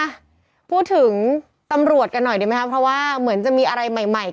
อ่ะพูดถึงตำรวจกันหน่อยดีไหมครับเพราะว่าเหมือนจะมีอะไรใหม่ใหม่